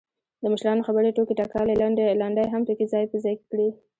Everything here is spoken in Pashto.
دمشرانو خبرې، ټوکې ټکالې، لنډۍ هم پکې ځاى په ځاى کړي.